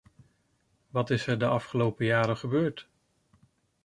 Wat is er de afgelopen jaren gebeurd?